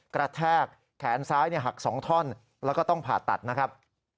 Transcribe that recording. กระแทกแขนซ้ายหัก๒ท่อนแล้วก็ต้องผ่าตัดนะครับ